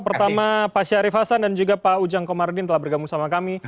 pertama pak syarif hasan dan juga pak ujang komarudin telah bergabung sama kami